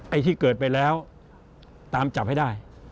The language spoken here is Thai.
ไอ้ที่เกิดไปแล้วตามจับให้ได้